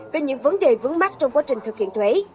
về những vấn đề vướng mắt trong quá trình thực hiện thuế